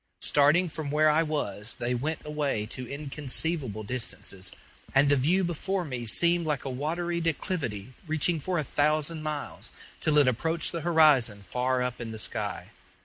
Starting from where I was, they went away to inconceivable distances, and the view before me seemed like a watery declivity reaching for a thousand miles, till it approached the horizon far up in the sky.